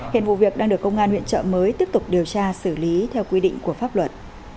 hiện vụ việc đang được công an huyện trợ mới tiếp tục điều tra xử lý theo quy định của pháp luật